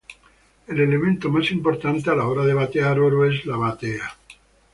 El elemento más importante a la hora de batear oro es la batea.